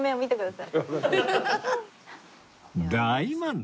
大満足！